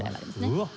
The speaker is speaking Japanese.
うわっ！